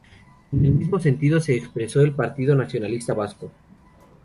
En el mismo sentido se expresó el Partido Nacionalista Vasco.